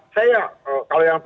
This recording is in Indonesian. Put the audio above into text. saya kalau yang